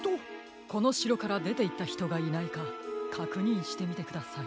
このしろからでていったひとがいないかかくにんしてみてください。